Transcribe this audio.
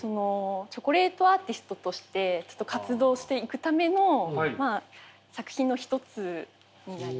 チョコレートアーティストとして活動していくための作品の一つになります。